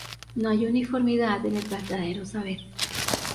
No hay uniformidad en el verdadero saber.